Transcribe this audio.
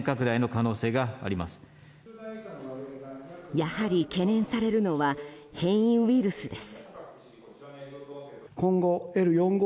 やはり、懸念されるのは変異ウイルスです。